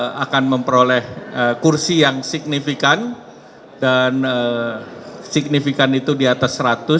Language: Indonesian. partai golkar akan memperoleh kursi yang signifikan dan signifikan itu diatas seratus